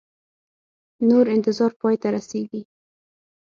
نور انتظار پای ته رسیږي